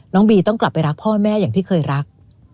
บีต้องกลับไปรักพ่อแม่อย่างที่เคยรัก